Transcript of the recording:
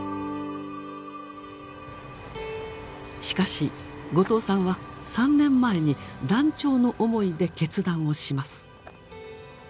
しかし後藤さんは３年前に断腸の思いで決断をします。